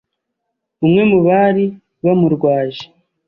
umwe mu bari bamurwaje,